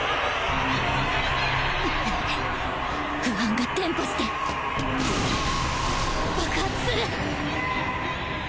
不安が伝播して爆発する